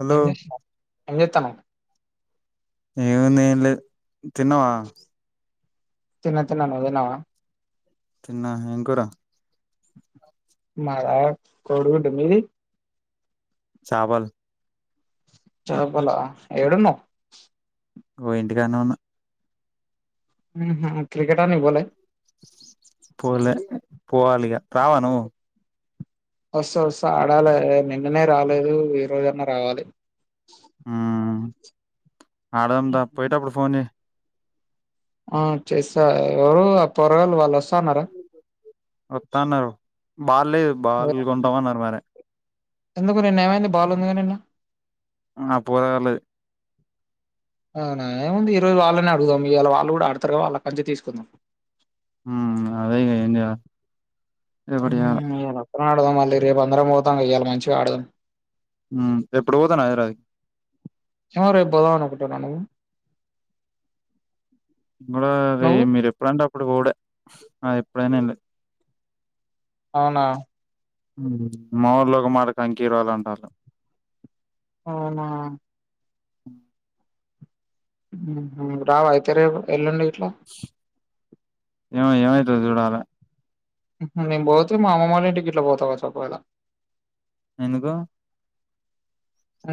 Hello ఎంచేస్నావ్ ఏం చేస్తున్నావ్ ఏం ఉంది ఏం లేదు తిన్నవా తిన్న తిన్న నువ్తున్నవ తిన్న నేను కూడా మాద కోడిగుడ్డు మీది చాపల్ చాపలా ఏడున్నవ్ ఓ ఇంటికానే ఉన్న హమ్మ్ క్రికెట్ ఆడ్నీకి పోలే పోలే పోవాలిగ రావా నువ్ వస్తా వస్తా ఆడాలి నిన్ననే రాలేదు ఈ రోజన్నా రావాలి మ్మ్ ఆడదాం పోయిటప్పుడు ఫోన్ జేయి ఆ చేస్తా ఎవరు ఆ పొరగాలు వాళ్ళు వస్తాన్నారా వత్తానరు బాల్లేదు బాల్ కొంటామ అన్నారు మర ఎందుకు నేను ఏమైంది బాగుంది కా నిన్న ఆ పోరవళు అనా ఏముంది ఈ రోజు వాళ్ళని అడుగుదాం ఇవాళ వాళ్ళు కూడా ఆడతారుగా వాళ్ళ కంచిగా తీసుకుందాం హ అదేగా ఏంది హ ఎర ఆడదం మళ్ళీ రేపు అందం పోతాం అయ్యాలి మంచిగా ఆడదం ఎప్పుడు పోతాను అదిరా ఎ బదా ఉకుట్ట న ను ఇ కూడా అ మీరు ఎప్పుడంటే ఇప్పుడు కూడాడ ఆ ఇప్పుడనేలి అవునా మాఊర్లో ఒక మట కంకిరాలుు ఉంటారు అవునా హ రావ అయితేర ఎల్ండి ట్లా ఎవ ఎవైతే చూడాల మేము పోతే మా అమ్మమ్ వాళ్ళంటిటిక ఇట్లా పోతా క చప్పవేళ ఎందుకు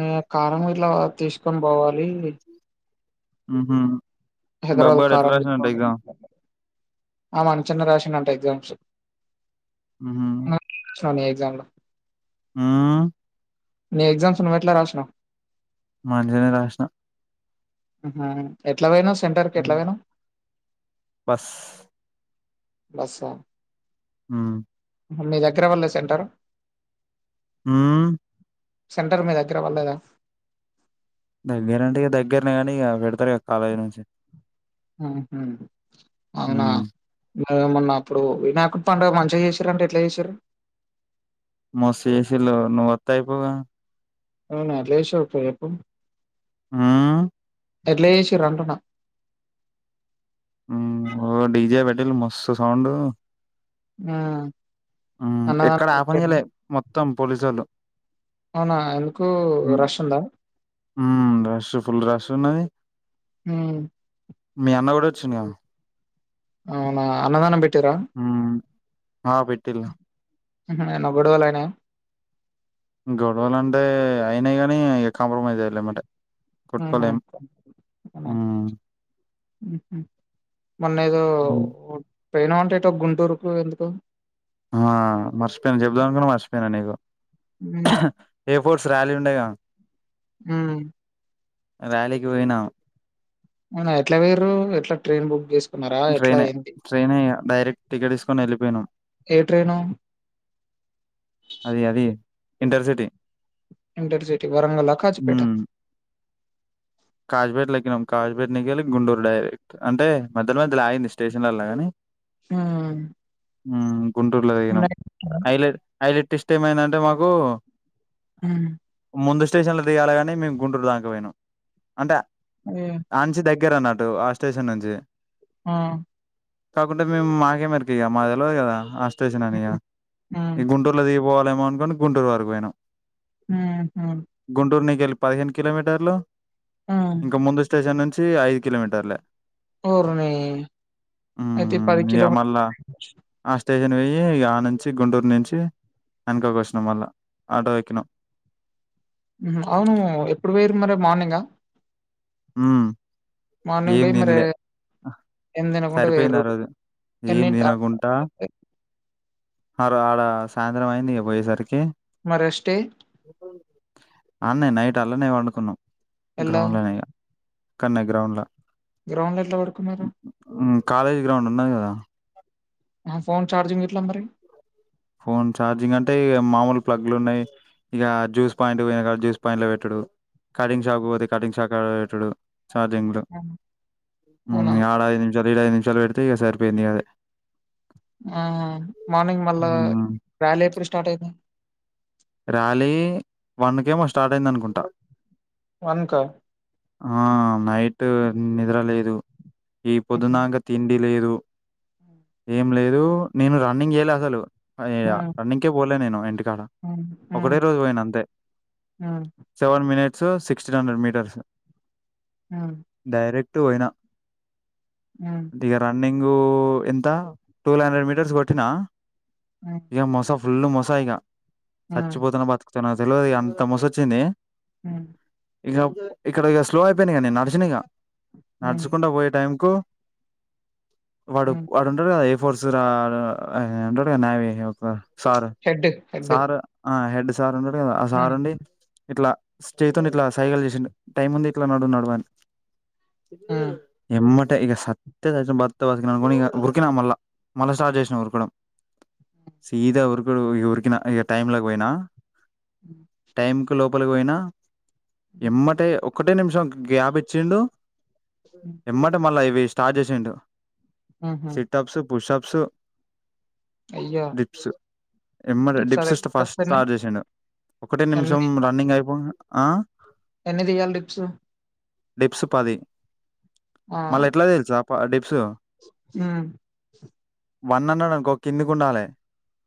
అ కారం ఇట్లా తీసుకొని పోవాలి ఆహా హైదరాబల్ కార ఆ మను చిన్న రాసినంట ఎగ్జామ్స్ ఆ ఎగ్జామ్ లో ఆ నీ ఎగ్జామ్స్ నువ్వు ఎట్లా రాసినవు మజనే రాసిన ఎట్లా భయి ను బస్ బస్ ఆ మీ దగ్గర వెళ్ళే సెంటారు ఆ సెంటర్ మీద దగ్గరవ్వలేదా దగ్గర అండి ఇక దగ్గరనే కానీ ఇక పెడతారు కాలేజ్ నుంచి ఆ అవునా హ్మ్ అదమన్నా అప్పుడు వి నాకు పడుగ మంచిగా చేశారంటే ఎట్లా చేశారు మసిసి నూ టయిపుగా అవునా లేషోర్ పో ఎప్పు ఆ ఎట్లా చేసిరి రంటన్నా ఓ డిజే పెట్టటిలు మస్తు సౌండ్ ఆ ఎక్కడ అన్నదానం పెట్టిర్రా? ఆపనియలే మొత్తం పోలిసలు అవునా! ఎందుకు రష్ ఉందా? రసఫల్ రస న హ్మ్. మీ అన్న కూడా వచ్చిందియా అవునా అన్నదనం బట్టి తరా హ్మ్ ఆ పెట్టిలా ఆహా ఏమైనా గొడవలయినాయ గొడవలు అంటే అయినాయి కాగానీ కాంప్రమైజ్ అయ్యలేమట హుహు. కొట్కలేం హ్మ్ మ్మ్ హు మొన్న ఏదో హ్మ్. ఓట్ పోయినవంట ఎటో గుంటూరుకు ఎందుకో ఆ మర్చిపోయినా చెబదాం అనుకున్నా మర్చిపోయినా నీకు హ్మ్. స్పోర్ట్స్ ర్యాలీ ఉండేగా హ ర్యాలీకి పోయినా నా ఎట్లా వేరు ఎట్లా ట్రైన్ బుక్ చేసు ట్రైనే ట్రైనే ఇగ డైరెక్ట్ టికెట్ తీసుకొని వెళ్ళిపోయినాం ఏ ట్రైను? అది అది ఇంటర్సిటీ ఇంటర్ సిటీ వరంగల్లా ఖాచిపేఠా కాజుపేట లెక్కినాం కాజుపేట నుంచి గుంటూరు డైరెక్ట్ అంటే మధ్య మధ్యలో ఆగింది స్టేషన్లల్ల కాని మ్ మ్ గుంటూరు లొ దిగినం ఐలెట్ ఐలెట్ ఏమైందంటే మాకు మ్ ముందు స్టేషన్లో దిగాాలగాని మేము గుంటూరు దాంక పోయినాము అంటే అయ్యో! అంచి దగ దగ్గర అన్నట్టు ఆ స్టేషన్ నుంచి ఆ కాకుంటే మేము మాకే మరకయ మాకు తెల్వదు కదా స్టేషన్ అని హ్మ్. హ్మ్. ఈ గుంటూరులో దిగి పోవలేమ అనుకోని గుంటూరు వరకు పోనాం మ్ హు పదిహేను కిలోమీటర్లు హ్మ్. ఇంకా ముందు స్టేషన్ నుంచి ఐదు కిలోమీటర్లే ఓరిని అయితే హ్మ్ పది ఇగ కిలోమీర్ మళ్ళా ఆ స్టేషన్ వెయ్యి ఆ నుంచి గుంటూరు నుంచి వెనుకోక వచ్చినాం మళ్ళా ఆటో ఎక్కినాం అవును ఎప్పుడు పోయరు మరి మార్నింగ మ్మ్ ఏం పోయి మరి తినలే ఏం తినకుండా సరిపోయింది పోయిర్రు. ఆ రోజు ఏం ఎన్నింట తినకుంటా అర ఆడ సాయంత్రం అయింది ఇగ పోయేసరికి మరీ స్టే అన్నే నైట్ అల్లనే వండుకున్నాం ఎలా? గ్రౌండ్లనేయ్యా కన్న గ్రౌండ్లో గ్రాౌండ్ పడుకున్నారు హ్మ్ కాలేజ్ గ్రౌండ్ ఉన్నది కదా ఫోన్ చార్జింగ్ ఎట్లా మరి ఫోన్ ఛార్జింగ్ అంటే ఇ మామూలు ప్లగ్లు ఉన్నాయి ఇక జ్యూస్ పాయింట్ పోయినా క జ్యూస్ పాయింట్ లో పెట్టడు కటింగ్ షాక్ పోతే కటింగ్ షాక్ పెట్టడు చార్టింగ్ అవునా? అవునా? మ్ ఆడ ఐదు నిమిష ఈడ ఐదు నిమిషాలు పెడితే ఇక సరిపోయింది అదే ఆ మార్నింగ్ మళ్ళా హ్మ్. ర్యాలీ ఎప్పుడు స్టార్ట్ అయింది ర్యాలీ వన్కేఏమో స్టార్ట్ అయింది అనుకుంటా వన్ క ఆ నైటు నిద్ర లేదు ఈ హ్మ్. పొద్దునాంక తిండి లేదు ఏం లేదు నేను రన్నింగ్ చేయలే అసలు అ ఏడ హ్మ్. రన్నింగ్ కే పోలే నేను ఇంటికాడ హ్మ్. ఒకటే హ్మ్. రోజు పోయిన అంతే హ్మ్. Seven minutes sixteen hundred metres హ్మ్. డైరెక్ట్ పటుయినా హ్మ్. డిగరాని నింగ ఎంత వల్ హండ్రెడ్ మీటర్స్ కొట్టినా హ్మ్. మోసఫ ఫుల్ మొసాయిగా హ్మ్. చచ్చిపోతున్న బతుకకు నా తెలియదు అంత మసొచ్చింది ఆ ఇంక ఇక్కడ ఇక స్లో అయిపోయినాయిక నేను నడిచా ఇక హ్మ్. నడుచకుండా పోయే టైం కు వాడు హ్మ్. వాడుంటారు కదా [inaudible] head head sir head sir అ లేదు ఆ హ్మ్. సార్ండి హ్మ్. ఇట్లా స్టేతో ఇట్లా సైగాలు చేసి టైమ్ ఉంది ఇట్లా నడు నడు అని హ్మ్. ఎమ అంటే ఇక సతే స బర్త బతికిన అనుకని ఇక ఉరికినా మళ్ళా మళ్ళా స్టార్ట్ చేసినా ఉరకడం సీదా ఉరుకుడు ఉరికినా టైం లోకి పోయినా హ్మ్. టైమ్ కి లో ప్ బొలి పోయినా ఎమ్మటే ఒక్కటే నిమిషం గ్యాప్ ఇచ్చిండు హ్మ్. ఎమ్ట మలా అయివి స్టార్ట్ చేసేం హుహు. సిటప్స్ పుషప్సు అయ్యో! డిప్ [inaudible] మరి టిప్స్ డిప్స్ అదే ఫస్ట్ ఎప్పుడొస్తున్నాయి? స్టార్ట్ చేసిండు ఒకటే ఎన్ని నిమిషం తీయాలి? రన్నింగ్ అయిపో ఆ ఎన్ని తియ్యాలి డిప్స్ డిప్స్ పది మళ్ళా ఎట్లా తెలుసా పడే హ్మ్మ్ వన్ హండ్రెడ్ అనుకో కిందికి ఉండాలి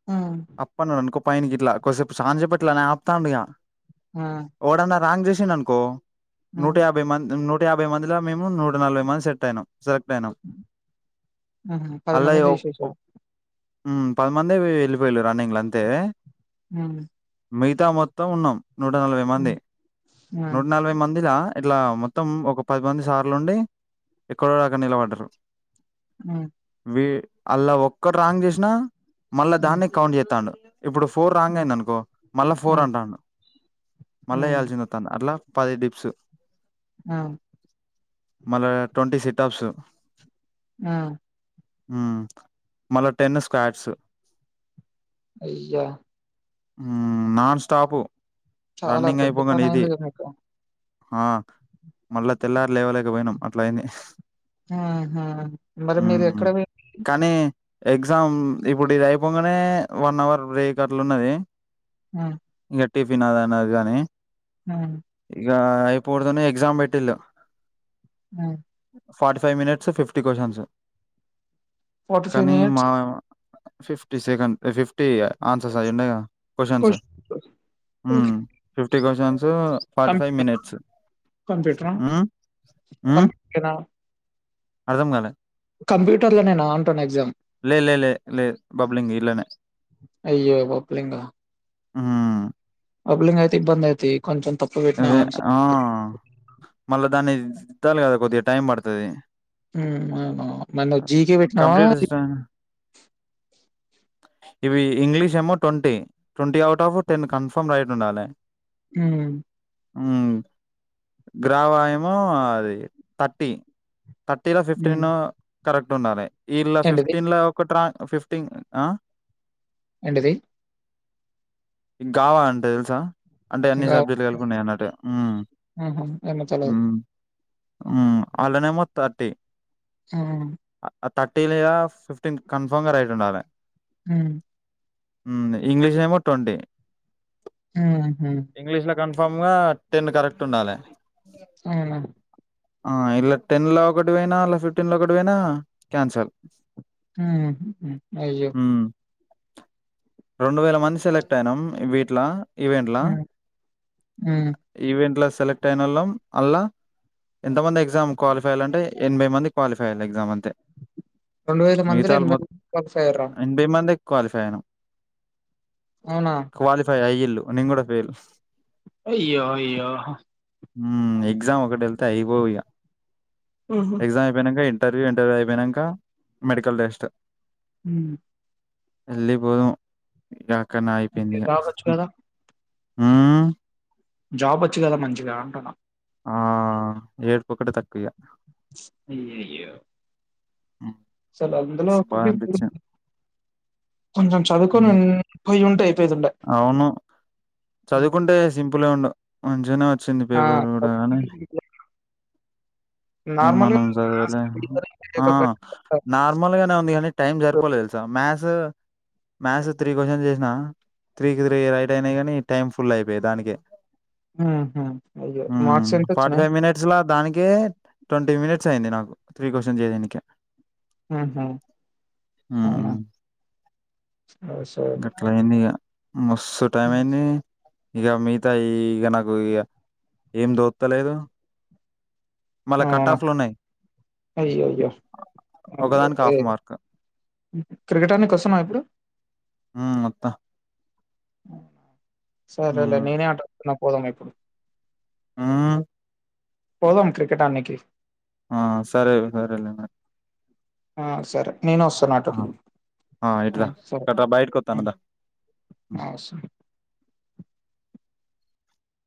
హ్మ్. అప్పనే అనుకో పనికిట్లా కొసపు సాజ చెెట్లా నే ఆప్తాండిగా హ్మ్. ఒదన్నా రాంగ్ చేసి అనుకో నూట హ్మ్. యాభై మంది న యాభై మందిలా మ మీము నూట నలభై మంది సెట్ అయినాం సెలెక్ట్ అయినాం హుహు. అల్లా మందిని తీసేసారు. పదిమందివి వెళ్ళిపోయళ రన్నింగ్ అంతే హ్మ్మ్ మిగతా మొత్తం ఉన్నాం నూట నలభై మంది ఆ! నూట నలభై మందిలా ఇట్లా మొత్తం ఒక పదిమంది సార్లుండి ఎక్కడో అక్క నిలబడ్డరు ఆ అల్లా ఒక్కటి రాంగ్ చేసిన మళ్ళా ఉమ్, దాన్ని కౌంట్ చేతాండు ఇప్పుడు ఫోర్ రాంగ్ ఉమ్, అయింది అనుకో మళ్ళా ఫోర్ ఉమ్, అంటాను మళ్ళా ఉమ్, వేయాల్సింది తను అట్లా పది డిప్స్ ఆ మళ్ళా ట్వంటీ సిటాప్స్ ఆ మల్లా టెన్ స్క్వాడ్స్ అయ్యా నాన్ స్టాపు చాలా పెద్ద పన అయింది కద మీకు ఆ మళ్ళా తెల్లారు లేవలేకపోయినాం అట్లా అయింది ఆహా మరి మీరు మ్మ్ ఎక్కడ కానీ ఎగ్జామ్ ఇప్పుడు ఇది అయిపోగానే వన్ అవర్ రే కట్టలు ఉన్నది ఆ టిఫిన్ అదనా కాగానీ ఆ ఇకా అయిపోడదునే ఎక్జామ్ పెటిల్ ఆ forty five minutes fifty questions forty five కానీ మినిట్స్ మా ఫిఫ్టీ సెకండ్ ఫిఫ్టీ ఆన్సర్స్ ఐ ఉన్నాయిగా questions fifty questions forty five minutes కంప్యూటరా అర్థం కాల కంప్యూటర్ లో నేను అంటాను ఎగ్జామ్ లే, లే, లే, లే బబ్లింగ్ ఇట్లనే. అయ్యో వప్లింగా మ్మ్ అబ్లింగ్ అయితే బంద అయితే కొంచెం తప్పు వెట్టినా అదే ఆన్సర్స్ ఆ! మళ్ళా దాన్ని దిద్దాలి కదా కొద్దిగా టైం పడుతది మ్మ్ అవునా మన్న్ జీకే పెట్టినావా కంప్యూటర్ సిస్టమ్ ఇవి ఇంగ్లీష్ ఏమో twenty twenty out of ten confirm right ండాల హ్మ్ హ్మ్ గ్రావాయమ అది థర్టీ తర్టీలో ఉమ్. ఫిఫ్టీన్ కరెక్ట్ ఉన్నాలే ఇళ్లా ఏంటిది ఫిఫ్టీన్లా ఒకట్రాంగ్ ఫిప్టీన్ ఆ ఏంటిది గావా అన్ తెల్సా అంటే ఇంకా అన్నిసబ్ తెల్పున్నాయి అన్నట్టు మ్మ్ ఉహు, ఏమో తెలవదు మ్మ్ హ్మ్ మ్ అల్లనేమో థర్టీ ఆ ఆ థర్టీన్గా ఫిఫ్టీన్ కన్ఫర్మ్ గా రైట్ ఉండాలె హ్మ్ మ్మ్ లే ఇంగ్లీష్ ఏమో ట్వంటి ఎంగదంట్న. కన్ఫామ్ గా టెన్ కరెక్ట్ ఉండాలే. అవునా ఆ ఇల్లా టెన్ లో ఒకటి పోయినా. అల్లా ఫిఫ్టీన్ల ఒకటి పోయినా క్యాన్సల్. హ్మ్ హ్మ్ అయిజో రెండు వేల మంది సెలెక్ట్ అయినాం వీట్లా ఈవేంట్లా. అ సెలెక్ట్ అయిన వాళ్ళం అల్ల ఎంత మంది ఎగ్జామ్ క్వాలిఫై అయ్య అంటే ఎనభై మంది క్వాలిఫైయాలి ఎగ్జామ్ అంతే రెండు వేల మందిల, మిగతా ఆళ్ళు ఏనాబై మొత్ మంది క్వాలిఫై అయ్యారా. మందే క్వాలిఫై అయిన్నాం. అవునా? క్వాలిఫై అయిల్ నేను కూడా ఫెల్ అయ్యో అయ్యే హు ఎగ్జామ్ ఒకటి వెళ్తే అయిపో ఇక ఎగ్జామ్ అయిపోయినంక ఇంటర్వ్యూ ఇంటర్వ్యూ అయిపోయినాక మెడికల్ టెస్ట్ ఉ ఎల్లిపోదాం మీకు క్కనయిపోందిక జాబొచ్చు గదా! ఊ జాబ్ వచ్చు కదా మంచిగా అంటున్నా ఆ ఏడుపుఒకటి తక్కవాయిగా అయ్యే అయ్యే హ్మ్. చాలా హ్మ్. అందులో మస్తు [inaudible] బాధనిపిచ్చింది. కొంచెం చదువుకుని హ్మ్. [inaudible] పోయి అవును హ్మ్. చదువుకుంటే సింపుల్ సింపులుగా ఉండు [inaudible] వచ్చింది ఆ! పేపర్ కూడా కానీ చదువుకుంటే నార్మల్‌గా ఏమనం మ్యాథ్స్ రీజనింగ్ సదవలేమా ఆ తెలియకపోయినా నార్మల్ గానే ఉంది కానీ టైం జరిపోలేదు sir maths maths three question చేసినా త్రీకి త్రీ రైట్ అయినాయి కానీ టైమ్ ఫుల్ అయిపోయి దానికి ఉ ఊ మార్స్ ఎంతొచ్చినాయి్ ఏ ట్వంటీ మినిట్స్ అయింది నాకు త్రీ క్వశ్చన్ చేయడానికి ఉ ఉ అవునా హ్మ్ అ సరే గట్లా అయింది ఇగ మస్తు టైం అయింది ఇక మిగతా ఇక నాకు ఏం దోత్తలేదు మళ్ళా కట్ అవునా ఆఫ్ లు ఉన్నాయి అయ్యో అయ్యో ఆల్ ఒకదానికి ఓకే హాఫ్ మార్క్ క్రికెట్ ఆడడానికి వస్తునవ ఇప్పుడు హ్మ్ వత్తా సరేలే హ్మ్ నేనే అటు ఆ పోదామ ఎప్పుడు ఊ పోదాం క్రికెట్ ఆడడానికి ఆ సరే సరేలేనా ఆ సరే నేను వస్తానటు ఆ ఆ అ ఇటురా సరే గట్రా బయటకి వత్తాను దా హ్మ్. అ సరే